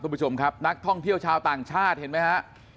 คุณผู้ชมครับนักท่องเที่ยวชาวต่างชาติเห็นไหมฮะ